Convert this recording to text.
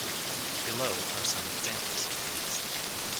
Below are some examples of these.